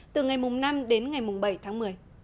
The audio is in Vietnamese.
từ ngày năm đến ngày bảy tháng một mươi